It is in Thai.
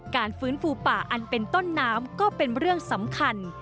ฟื้นฟูป่าอันเป็นต้นน้ำก็เป็นเรื่องสำคัญ